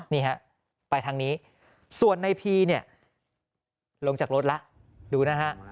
นี่ฮะไปทางนี้ส่วนในพีเนี่ยลงจากรถแล้วดูนะฮะ